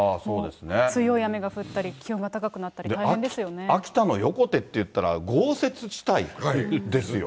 強い雨が降ったり、気温が高くな秋田の横手っていったら豪雪地帯ですよ。